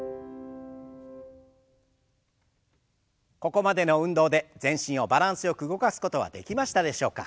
ここまでの運動で全身をバランスよく動かすことはできましたでしょうか。